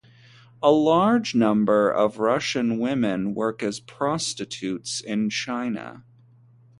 A large number of Russian women work as prostitutes in China.